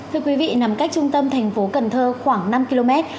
thưa quý vị nằm cách trung tâm thành phố cần thơ khoảng năm km